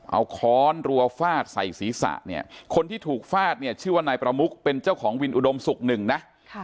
เอาค้อนรัวฟาดใส่ศีรษะเนี่ยคนที่ถูกฟาดเนี่ยชื่อว่านายประมุกเป็นเจ้าของวินอุดมศุกร์หนึ่งนะ